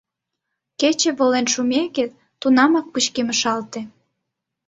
Кече волен шумеке, тунамак пычкемышалте.